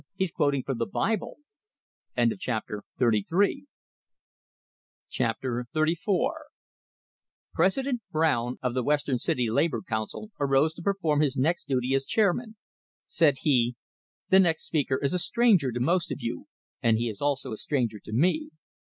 He's quoting from the Bible!" XXXIV President Brown of the Western City Labor Council arose to perform his next duty as chairman. Said he: "The next speaker is a stranger to most of you, and he is also a stranger to me.